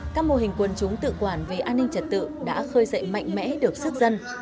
các mô hình quân chúng tự quản về an ninh trật tự đã khơi dậy mạnh mẽ được sức dân